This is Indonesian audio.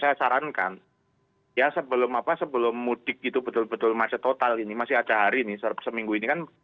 saya sarankan sebelum mudik itu betul betul masa total ini masih ada hari nih seminggu ini kan